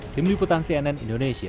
tim liputan cnn indonesia